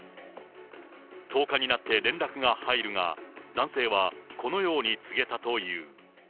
１０日になって連絡が入るが、男性はこのように告げたという。